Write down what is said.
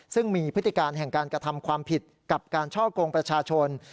ซึ่งมีพฤติการแห่งการกระทำความผิดกับการช่อกงประชาชน